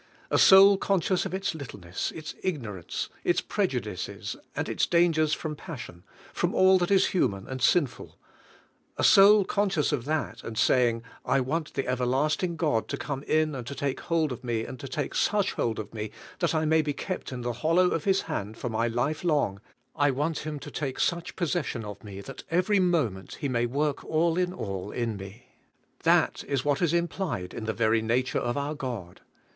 A soul conscious of its littleness, its ignorance, its prejudices and its dangers from passion, from all that is human and sinful, — a soul conscious of that, and saying, "I want the everlasting God to come in and to take hold of me and to take such hold of me that I may be kept in the hollow of His hand for my life long; I want Him to take such possession of me that every moment He may work all in all in me." That is what is implied in the very nature of our God.